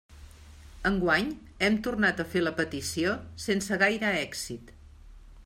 Enguany, hem tornat a fer la petició sense gaire èxit.